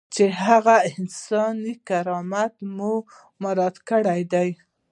چې د هغه انساني کرامت مو مراعات کړی دی.